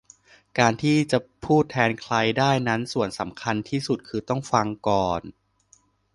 การที่จะพูดแทนใครได้นั้นส่วนสำคัญที่สุดคือต้อง"ฟัง"ก่อน